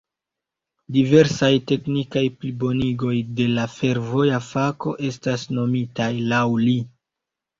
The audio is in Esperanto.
Diversaj teknikaj plibonigoj de la fervoja fako estas nomitaj laŭ li.